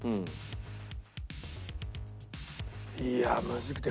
いやむずくて。